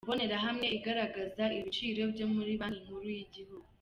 Imbonerahamwe igaragaza ibiciro byo muri Banki Nkuru y'igihugu.